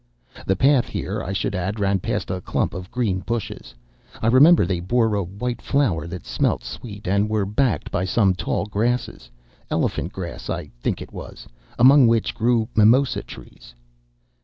The path here, I should add, ran past a clump of green bushes; I remember they bore a white flower that smelt sweet, and were backed by some tall grass, elephant grass I think it was, among which grew mimosa trees.